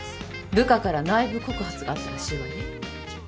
部下から内部告発があったらしいわよ。